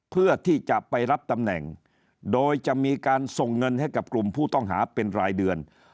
เพื่อที่จะไปรับตำแหน่งโดยจะมีการส่งเงินให้กับกลุ่มผู้ต้องหาเป็นรายเดือน